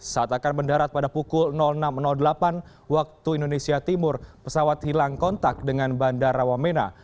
saat akan mendarat pada pukul enam delapan waktu indonesia timur pesawat hilang kontak dengan bandara wamena